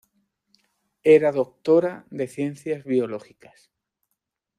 Era doctora en Ciencias Biológicas.